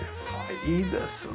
いいですね。